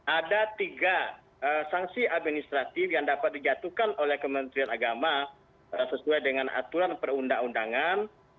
ada tiga sanksi administratif yang dapat dijatuhkan oleh kementerian agama sesuai dengan aturan perundang undangan